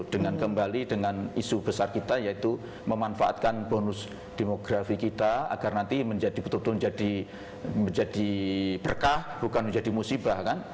dengan kembali dengan isu besar kita yaitu memanfaatkan bonus demografi kita agar nanti betul betul menjadi berkah bukan menjadi musibah kan